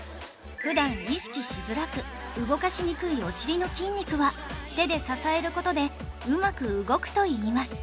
普段意識しづらく動かしにくいお尻の筋肉は手で支える事でうまく動くといいます